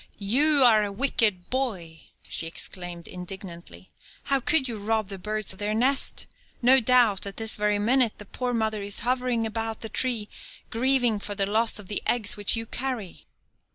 "You are a wicked boy," she exclaimed indignantly. "How could you rob the birds of their nest? No doubt, at this very minute, the poor mother is hovering about the tree grieving for the loss of the eggs which you carry."